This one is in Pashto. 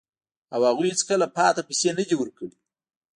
او هغوی هیڅکله پاتې پیسې نه دي ورکړي